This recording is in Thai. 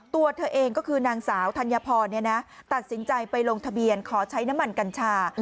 ตัวเธอเองก็คือนางสาวธัญพรตัดสินใจไปลงทะเบียนขอใช้น้ำมันกัญชา